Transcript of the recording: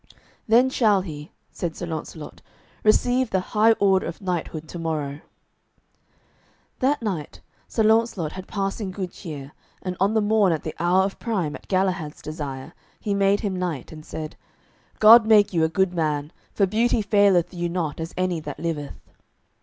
"Then shall he," said Sir Launcelot, "receive the high order of knighthood to morrow." That night Sir Launcelot had passing good cheer, and on the morn at the hour of prime, at Galahad's desire, he made him knight, and said, "God make you a good man, for beauty faileth you not as any that liveth."